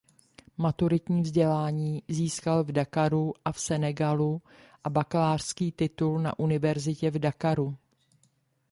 Maturitní vzdělání získal v Dakaru v Senegalu a bakalářský titul na univerzitě v Dakaru.